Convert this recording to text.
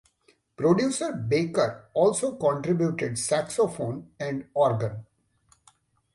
Producer Baker also contributed saxophone and organ.